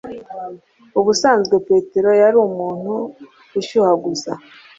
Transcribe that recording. Ubusanzwe Petero yari umuntu ushyuhaguza,